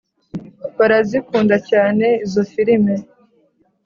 barazikunda cyane izo firime,